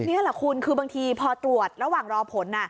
นี่แหละคุณคือบางทีพอตรวจระหว่างรอผล